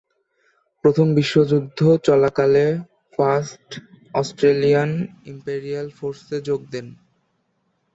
প্রথম বিশ্বযুদ্ধ চলাকালে ফার্স্ট অস্ট্রেলিয়ান ইম্পেরিয়াল ফোর্সে যোগ দেন।